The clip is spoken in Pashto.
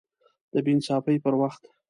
د بې انصافۍ پر وخت